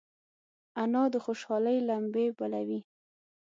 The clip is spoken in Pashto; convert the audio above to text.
انا د خوشحالۍ لمبې بلوي